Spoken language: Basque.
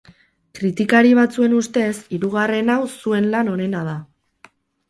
Kritikari batzuen ustez, hirugarren hau zuen lan onena da.